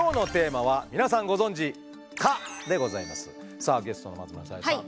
さあゲストの松村沙友理さん